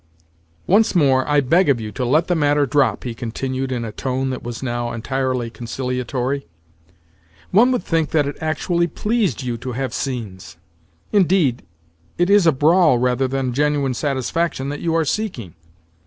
"Once more I beg of you to let the matter drop," he continued in a tone that was now entirely conciliatory. "One would think that it actually pleased you to have scenes! Indeed, it is a brawl rather than genuine satisfaction that you are seeking.